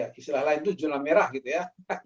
ya istilah lain itu jumlah merah gitu ya